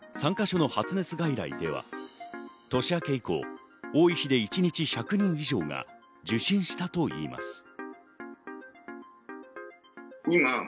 ３か所の発熱外来では年明け以降、多い日で一日１００人以上が受診したといいます。